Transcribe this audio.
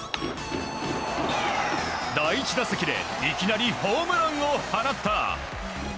第１打席でいきなりホームランを放った。